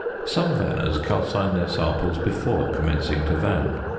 Some vanners calcine their samples before commencing to van.